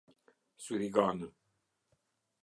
Syriganë